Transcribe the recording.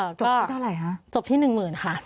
จบที่เท่าไหร่คะจบที่หนึ่งหมื่นค่ะ